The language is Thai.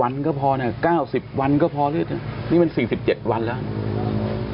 วันก็พอนะ๙๐วันก็พอหรือนี่มัน๔๗วันแล้ว